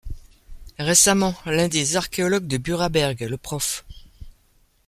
Récemment, l'un des Archéologues de Büraberg, le Prof.